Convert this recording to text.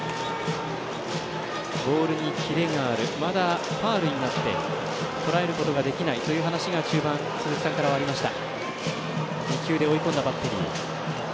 ボールにキレがあるファウルになってとらえることができないという話が中盤鈴木さんから話がありました。